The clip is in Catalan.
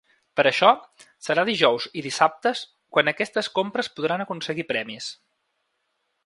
Per això, serà dijous i dissabtes quan aquestes compres podran aconseguir premis.